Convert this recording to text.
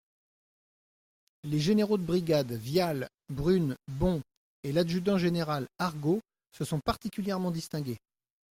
Les généraux de brigade Vial, Brune, Bon, et l'adjudant-général Argod se sont particulièrement distingués.